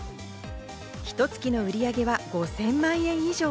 ひと月の売り上げは５０００万円以上。